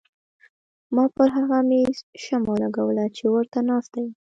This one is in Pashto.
ما پر هغه مېز شمه ولګوله چې ورته ناسته یم.